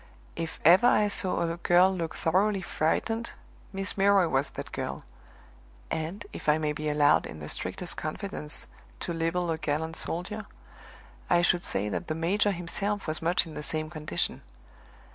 If ever I saw a girl look thoroughly frightened, Miss Milroy was that girl; and (if I may be allowed, in the strictest confidence, to libel a gallant soldier) I should say that the major himself was much in the same condition.